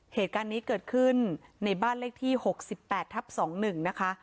เหตุการณ์นี้เกิดขึ้นในบ้านเลขที่๖๘ทับ๒๑นะคะ